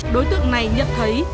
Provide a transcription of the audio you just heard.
đối tượng này nhận thấy